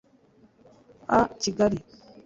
As Kigali